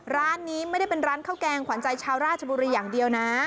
ร้านนี้ไม่ได้เป็นร้านข้าวแกงขวัญใจชาวราชบุรีอย่างเดียวนะ